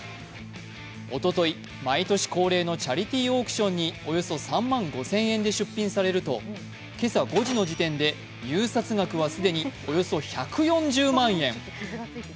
おととい、毎年恒例のチャリティーオークションにおよそ３万５０００円で出品されると今朝５時の時点で入札額は既におよそ１４０万円。